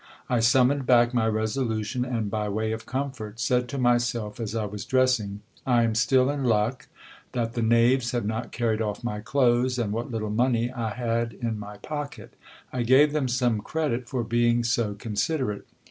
I summoned back my resolution, and, by way of comfort, said to myself as I was dressing — I am still in luck that the knaves have not carried off my clothes and what little money I had in my pocket. I gave them some credit for being so considerate.